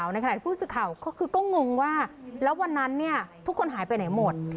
ในขณะที่ผู้สื่อข่าวก็คือก็งงว่าแล้ววันนั้นทุกคนหายไปไหนหมด